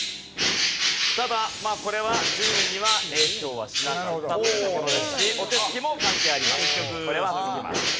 ただこれは順位には影響はしなかったというところですしお手つきも関係ありません。